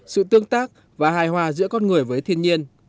sự tương tác và hài hòa giữa con người với thiên nhiên